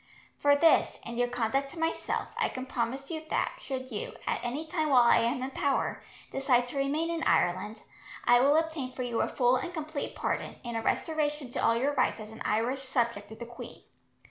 For this, and your conduct to myself, I can promise you that should you, at any time while I am in power, decide to remain in Ireland, I will obtain for you a full and complete pardon, and a restoration to all your rights as an Irish subject of the queen.